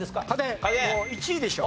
もう１位でしょ。